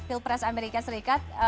pilpres amerika serikat